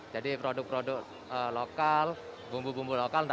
jadi produk produk lokal bumbu bumbu lokal